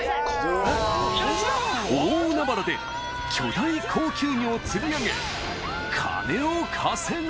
大海原で巨大高級魚を釣り上げ金を稼ぐ！